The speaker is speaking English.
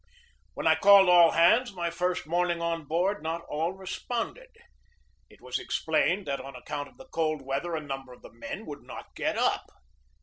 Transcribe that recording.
When I called all hands my first morning on board, not all responded. It was explained that on account of the cold weather a number of the men would not get up.